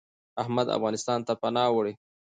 احمد افغانستان ته پناه وړي .